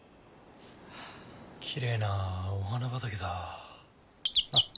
きれいなお花畑だ。